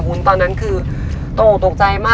วุ้นตอนนั้นคือตกตกใจมาก